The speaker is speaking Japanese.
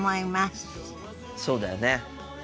そうだよね。